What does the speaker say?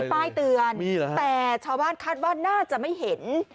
ป้ายเตือนแต่ชาวบ้านคาดว่าน่าจะไม่เห็น